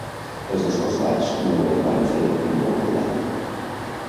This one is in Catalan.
Els dos costats no es van fer molt de dany.